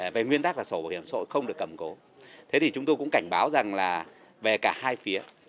về nguyên tắc là sổ bảo hiểm xã hội không được cầm cố thế thì chúng tôi cũng cảnh báo rằng là về cả hai phía